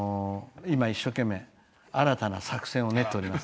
今、新たな作戦を練っております。